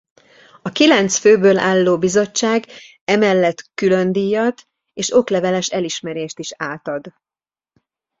A kilenc főből álló bizottság emellett különdíjat és okleveles elismerést is átad.